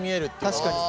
確かに。